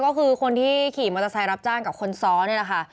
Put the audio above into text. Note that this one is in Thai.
ก็คือคนที่ขี่มอเตอร์ไซค์รับจ้างกับคนซ้อนนี่แหละค่ะ